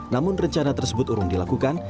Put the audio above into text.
namun rencana tersebut urung dilakukan